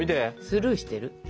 スルーしてる？で？